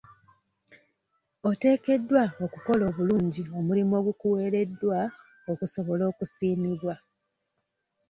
Oteekeddwa okukola obulungi omulimu ogukuweereddwa okusobola okusiimibwa.